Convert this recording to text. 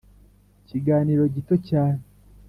ikiganiro gito cyane